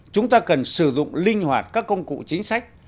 chúng ta cần sử dụng linh hoạt các công cụ chính sách